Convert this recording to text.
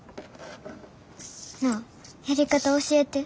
なあやり方教えて。